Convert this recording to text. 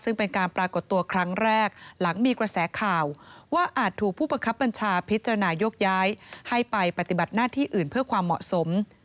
ซึ่งเป็นการปรากฏตัวครั้งแรกหลังมีกระแสข่าวว่าอาจถูกผู้บังคับบัญชาพิจารณายกย้ายให้ไปปฏิบัติหน้าที่อื่นเพื่อความเหมาะสม